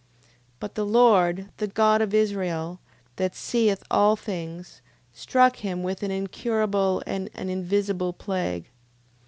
9:5. But the Lord, the God of Israel, that seeth all things, struck him with an incurable and an invisible plague.